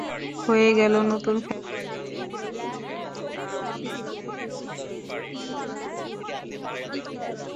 হয়ে গেল নতুন ফ্যাশন ডিজাইনার সুরমা কারারের ডিজাইন করা বাহারি পোশাকের প্রদর্শনী।